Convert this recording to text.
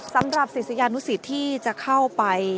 ศิษยานุสิตที่จะเข้าไป